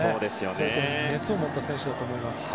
そういう熱を持った選手だと思います。